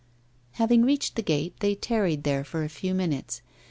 Having reached the gate, they tarried there for a few minutes.